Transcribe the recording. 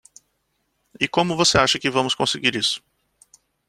E como você acha que vamos conseguir isso?